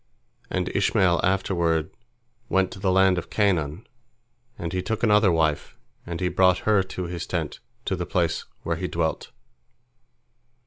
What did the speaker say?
And Ishmael afterward went to the land of Canaan, and he took another wife, and he brought her to his tent, to the place where he dwelt.